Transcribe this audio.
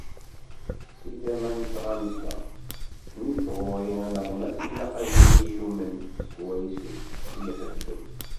Seg tama n tɣamsa, nekk ɣur-i aneɣmas ilaq ad yili yumen s wayes i ixeddem.